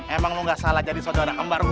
emang lo gak salah jadi tun immigrants